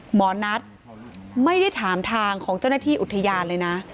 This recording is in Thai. หมอนัทไม่ได้ถามทางของเจ้าหน้าที่อุทยานเลยนะ